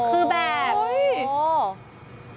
คือแบบโอ้